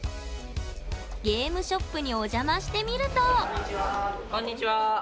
ゲームショップにお邪魔してみるとこんにちは。